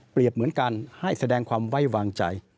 เปรียบเหมือนการให้แสดงความไว่วางใจ